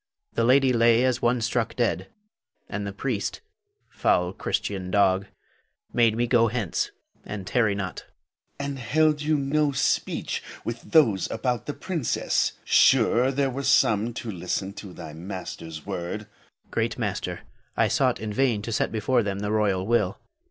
The lady lay as one struck dead; and the priest, foul Christian dog, bade me go hence, and tarry not. Moh'd. And held you no speech with those about the princess. Sure, there were some to listen to thy master's word. Hafiz. Great master, I sought in vain to set before them the royal will.